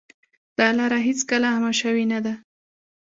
دا لاره هېڅکله عامه شوې نه ده.